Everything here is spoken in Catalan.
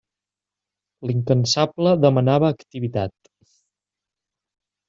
L'incansable demanava activitat.